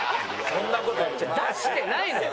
違う出してないのよ！